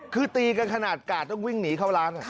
คือตีกันขนาดกาดต้องวิ่งหนีเข้าร้าน